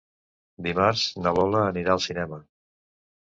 Dimarts na Lola anirà al cinema.